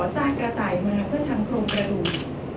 กระต่ายมาเพื่อทำโครงกระดูก